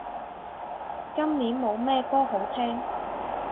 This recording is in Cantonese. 今年冇咩歌好聼